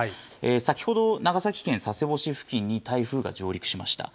先ほど、長崎県佐世保市付近に台風が上陸しました。